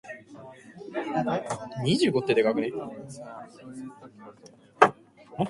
カエルの歌が聞こえてくるよ